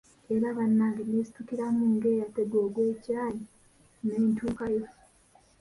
Era bannange nasitukiramu ng'eyatega ogw'ekyayi ne ntuukayo.